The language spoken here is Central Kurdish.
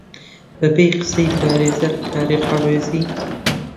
بە پێی قسەی پارێزەر تاریق عەوزی